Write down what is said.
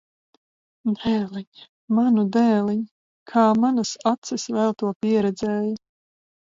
Dēliņ! Manu dēliņ! Kā manas acis vēl to pieredzēja!